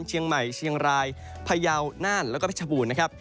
เชียงใหม่เชียงรายพายาวน่านแล้วก็เผชบูรณ์นะครับ